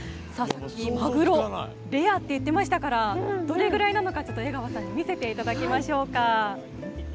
マグロレアって言ってましたからどれぐらいなのか見せていただきましょう。